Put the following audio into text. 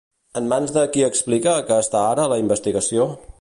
En mans de qui explica que està ara la investigació?